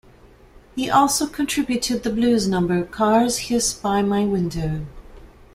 He also contributed the blues number "Cars Hiss By My Window".